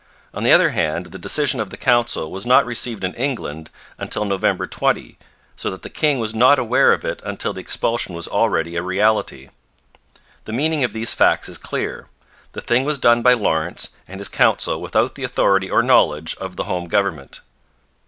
On the other hand, the decision of the Council was not received in England until November 20, so that the king was not aware of it until the expulsion was already a reality. The meaning of these facts is clear. The thing was done by Lawrence and his Council without the authority or knowledge of the home government.